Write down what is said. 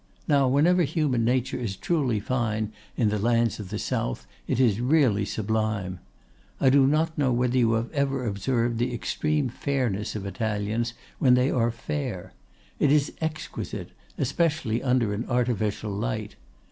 Now, whenever human nature is truly fine in the lands of the South, it is really sublime. I do not know whether you have ever observed the extreme fairness of Italians when they are fair. It is exquisite, especially under an artificial light.